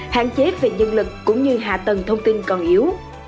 hạn chế về nhân lực cũng như hạ tầng thông tin còn yếu